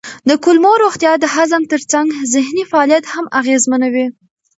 د کولمو روغتیا د هضم ترڅنګ ذهني فعالیت هم اغېزمنوي.